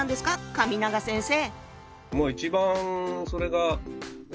神永先生。